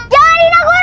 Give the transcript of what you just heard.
jangan ini aku guru